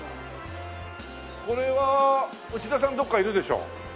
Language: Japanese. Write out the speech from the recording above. これは内田さんどこかいるでしょ？